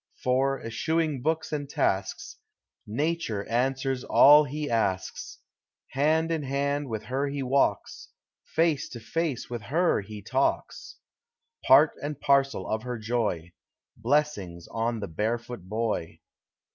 — For, eschewing books and tasks, Nature answers all he asks; Hand in hand with her he walks, Face to face with her he talks, si; POEMS OF HOME, Part and parcel of her joy,— Blessings ou the barefoot boy!